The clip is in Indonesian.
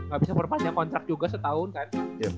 ga bisa berpacu kontrak juga setahun kan